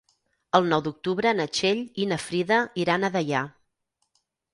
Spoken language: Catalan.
El nou d'octubre na Txell i na Frida iran a Deià.